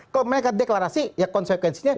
kalau mereka deklarasi ya konsekuensinya